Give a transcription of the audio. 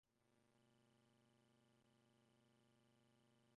The bark is very distinctive, smooth orange to yellow-brown, peeling in fine flakes.